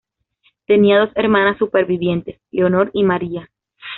Tenía dos hermanas supervivientes; Leonor y María.